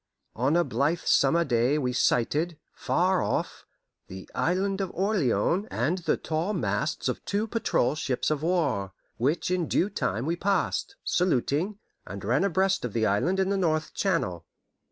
On a blithe summer day we sighted, far off, the Island of Orleans and the tall masts of two patrol ships of war, which in due time we passed, saluting, and ran abreast of the island in the North Channel.